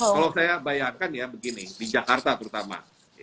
kalau saya bayangkan ya begini di jakarta terutama